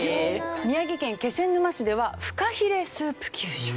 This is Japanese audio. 宮城県気仙沼市ではフカヒレスープ給食。